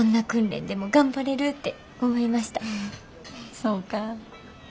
そうか。